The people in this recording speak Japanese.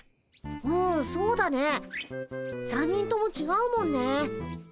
うんそうだね３人ともちがうもんね。